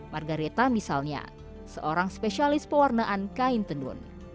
margaretha misalnya seorang spesialis pewarnaan kain tendun